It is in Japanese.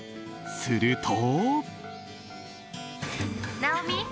すると。